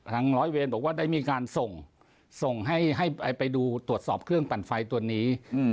ร้อยเวรบอกว่าได้มีการส่งส่งให้ไปดูตรวจสอบเครื่องปั่นไฟตัวนี้